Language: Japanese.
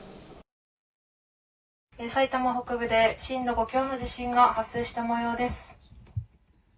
埼玉北部で震度５強の地震が発生したもようです。